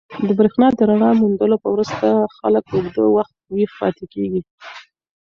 د برېښنا د رڼا موندلو وروسته خلک اوږده وخت ویښ پاتې کېږي.